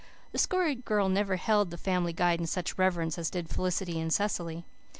The Story Girl never held the Family Guide in such reverence as did Felicity and Cecily.